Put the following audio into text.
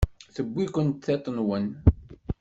Tewwi-ken tiṭ-nwen.